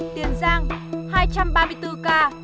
tiền giang hai trăm ba mươi bốn ca